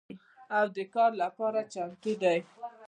او د کار لپاره چمتو دي